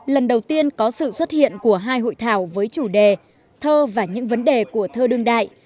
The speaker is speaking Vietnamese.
lần đầu tiên có sự xuất hiện của hai hội thảo với chủ đề thơ và những vấn đề của thơ đương đại